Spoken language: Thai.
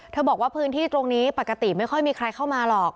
บอกว่าพื้นที่ตรงนี้ปกติไม่ค่อยมีใครเข้ามาหรอก